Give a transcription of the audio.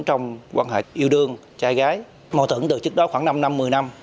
trong quan hệ yêu đương trai gái mô thẩn từ trước đó khoảng năm năm một mươi năm